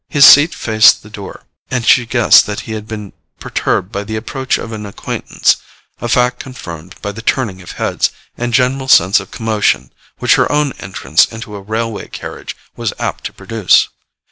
His seat faced toward the door, and she guessed that he had been perturbed by the approach of an acquaintance; a fact confirmed by the turning of heads and general sense of commotion which her own entrance into a railway carriage was apt to produce.